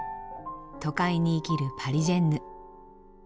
都会に生きるパリジェンヌ。